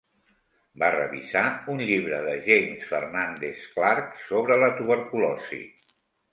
Va revisar un llibre de James Fernandez Clarke sobre la tuberculosi.